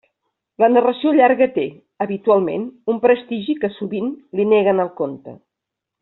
La narració llarga té, habitualment, un prestigi que sovint li neguen al conte.